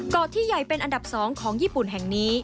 เกาะที่ใหญ่เป็นอันดับ๒ของญี่ปุ่นแห่งนี้